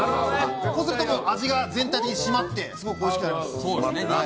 こうすると、味が全体的に締まっておいしくなります。